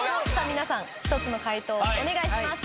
皆さん１つの解答お願いします。